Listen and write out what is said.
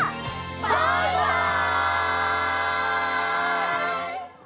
バイバイ！